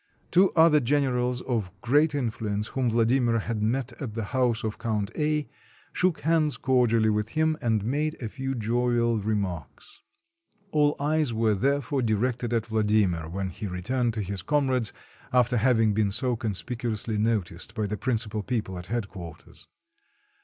Two other generals of great influence, whom Vladimir had met at the house of Count A., shook hands cor dially with him and made a few jovial remarks. All eyes were therefore directed at Vladimir, when he returned to his comrades after having been so conspicu ously noticed by the principal people at headquarters.